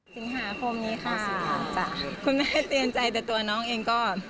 สิงหาคมนี้ค่ะจ้ะคุณแม่เตรียมใจแต่ตัวน้องเองก็